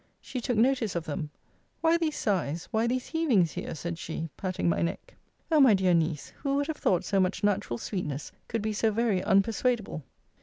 She took notice of them Why these sighs, why these heavings here? said she, patting my neck O my dear Niece, who would have thought so much natural sweetness could be so very unpersuadable?